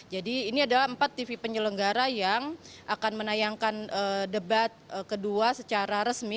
jadi ini adalah empat tv penyelenggara yang akan menayangkan debat kedua secara resmi